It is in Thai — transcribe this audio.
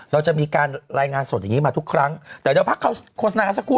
เราจะมีการรายงานสดอย่างนี้มาทุกครั้งแต่เดี๋ยวพักเขาโฆษณากันสักครู่